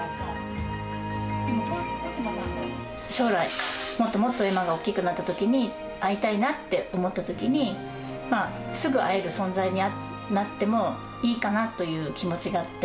将来、もっともっとえまが大きくなったときに、会いたいなって思ったときに、すぐ会える存在になってもいいかなという気持ちがあって。